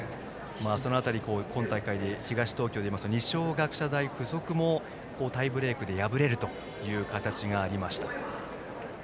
その辺り今大会東東京で言いますと二松学舎大付属もタイブレークで敗れる形がありました。